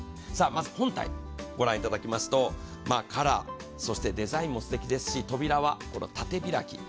まず本体、御覧いただきますとカラー、そしてデザインもすてきですし、扉は縦開き。